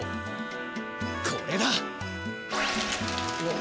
これだ！